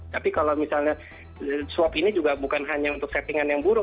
tapi kalau misalnya swab ini juga bukan hanya untuk settingan yang buruk